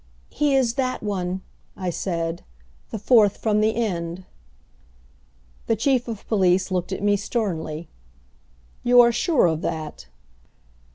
"He is that one," I said, "the fourth from the end." The Chief of Police looked at me sternly. "You are sure of that?"